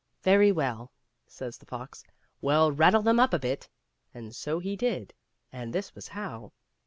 " Very well," says the fox, " we'll rattle them up a bit ;" and so he did, and this was how.